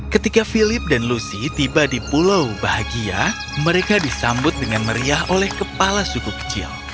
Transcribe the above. ketika philip dan lucy tiba di pulau bahagia mereka disambut dengan meriah oleh kepala suku kecil